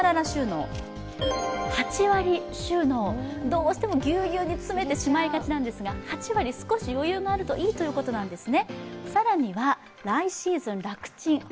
どうしてもぎゅうぎゅうに詰めてしまいがちなんですが、８割、少し余裕があるといいということなんです。